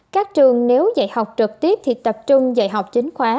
các trường nếu dạy học trực tiếp thì tập trung dạy học chính khóa